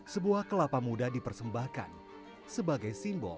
sebuah kelapa muda dipersembahkan sebagai simbol